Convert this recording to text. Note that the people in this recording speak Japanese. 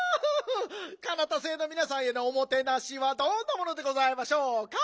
カナタ星のみなさんへのおもてなしはどんなものでございましょうか？